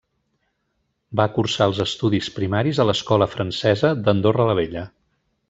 Va cursar els estudis primaris a l'escola francesa d'Andorra la Vella.